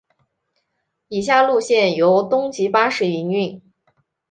以下路线由东急巴士营运。